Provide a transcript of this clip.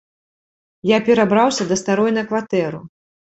Я перабраўся да старой на кватэру.